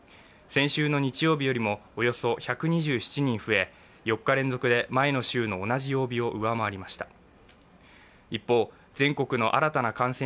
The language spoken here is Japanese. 先週の日曜日よりもおよそ１２７人増え、４日連続で前の週の同じ曜日を上回りました。